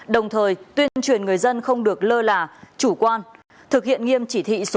đồng thời tuyên truyền người dân không được lơ là chủ quan thực hiện nghiêm chỉ thị số một mươi